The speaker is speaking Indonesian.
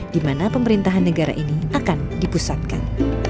di mana pemerintahan negara ini akan dipusatkan